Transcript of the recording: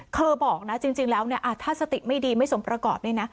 บอกนะจริงแล้วเนี่ยถ้าสติไม่ดีไม่สมประกอบนี่นะ